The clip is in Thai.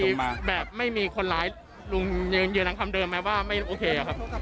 ถ้าเป็นคดีแบบไม่มีคนหลายลุงยืนอย่างคำเดิมแม้ว่าไม่โอเคหรอครับ